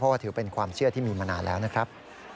ว่าถือเป็นความเชื่อที่มีมานานแล้วนะครับ